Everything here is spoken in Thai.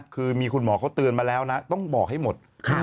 คือมีคุณหมอเขาเตือนมาแล้วนะต้องบอกให้หมด